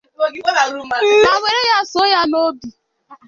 ma were ya sụọ ya n'obi